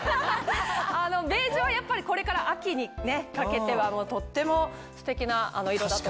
ベージュはやっぱりこれから秋にかけてはとってもステキな色だと思います。